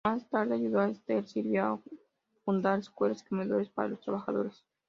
Más tarde ayudó a Esther Silva a fundar escuelas y comedores para los trabajadores.